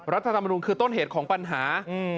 รัฐธรรมนุนคือต้นเหตุของปัญหา